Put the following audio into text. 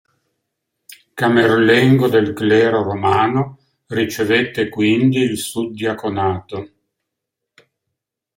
Camerlengo del clero romano, ricevette quindi il suddiaconato.